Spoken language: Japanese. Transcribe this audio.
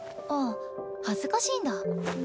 あっ恥ずかしいんだ。